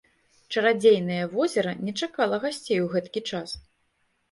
Чарадзейнае возера не чакала гасцей ў гэткі час.